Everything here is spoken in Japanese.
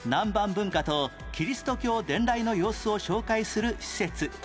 文化とキリスト教伝来の様子を紹介する施設